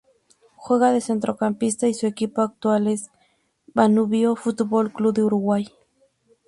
Juega de centrocampista y su equipo actual es Danubio Fútbol Club de Uruguay.